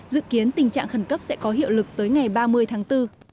dự kiến tình trạng khẩn cấp sẽ có hiệu lực tới ngày ba mươi tháng bốn